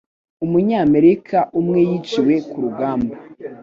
Umunyamerika umwe yiciwe kurugamba